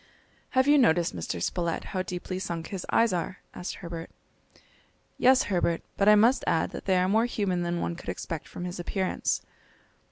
"Have you noticed, Mr. Spilett, how deeply sunk his eyes are?" asked Herbert. "Yes, Herbert; but I must add that they are more human than one could expect from his appearance."